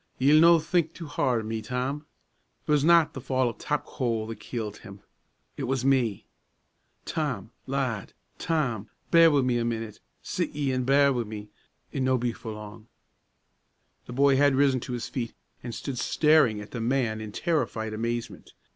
Ye'll no' think too hard o' me, Tom? It wasna the fall o' top coal that killit him it was me! Tom! lad! Tom! bear wi' me a minute! Sit ye an' bear wi' me; it'll no' be for lang." The boy had risen to his feet, and stood staring at the man in terrified amazement.